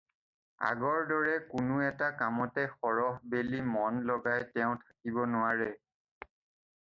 আগৰ দৰে কোনো এটা কামতে সৰহ বেলি মন লগাই তেওঁ থাকিব নোৱাৰে।